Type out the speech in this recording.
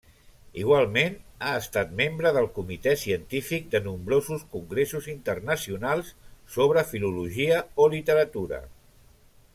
Igualment, ha estat membre del comitè científic de nombrosos congressos internacionals sobre filologia o literatura.